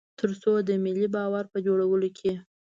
تر څو د ملي باور په جوړولو کې.